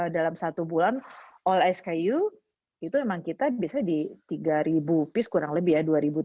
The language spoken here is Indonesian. dalam satu bulan all sku itu memang kita biasanya di tiga piece kurang lebih ya